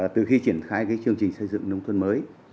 từ khi triển khai chương trình xây dựng nông thôn mới